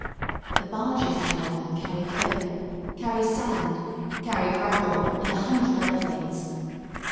The barges, however, carry coke, carry sand, carry gravel, and a hundred other things.